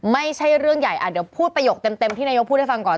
ไม่ใช่เรื่องใหญ่เดี๋ยวพูดประโยคเต็มที่นายกพูดให้ฟังก่อน